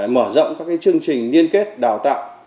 mở rộng các chương trình liên kết đào tạo